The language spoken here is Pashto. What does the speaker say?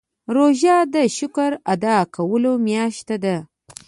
روژه د شکر ادا کولو میاشت ده.